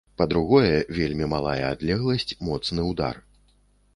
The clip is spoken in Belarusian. Па-другое, вельмі малая адлегласць, моцны ўдар.